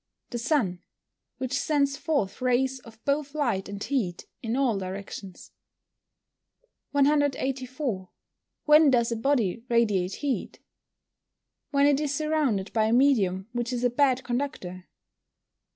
_ The sun, which sends forth rays of both light and heat in all directions. 184. When does a body radiate heat? When it is surrounded by a medium which is a bad conductor.